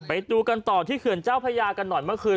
ไปดูกันต่อที่เขื่อนเจ้าพญากันหน่อยเมื่อคืน